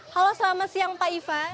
halo selamat siang pak iva